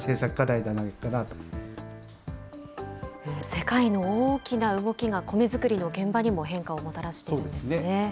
世界の大きな動きが、コメ作りの現場にも変化をもたらしているんですね。